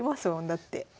だって。